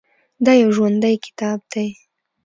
دا یو ژوندی کتاب دی.